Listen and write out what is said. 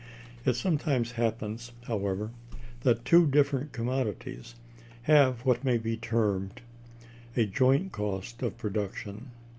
It sometimes happens [however] that two different commodities have what may be termed a joint cost of production.